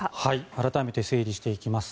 改めて整理していきます